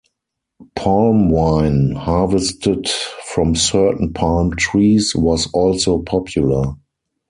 "Palm wine" harvested from certain palm trees was also popular.